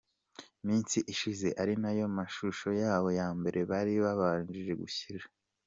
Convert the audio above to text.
minsi ishize ari nayo mashusho yabo ya mbere bari babashije gushyira.